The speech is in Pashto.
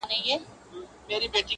ډبره چي پر ځاى پرته وي سنگينه ده.